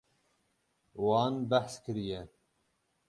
Wan behs kiriye.